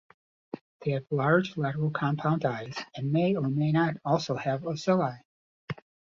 They have large lateral compound eyes, and may or may not also have ocelli.